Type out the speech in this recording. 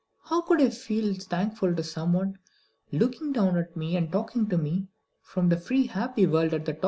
How could I feel thankful to someone looking down at me and talking to me from the free happy world at the top?"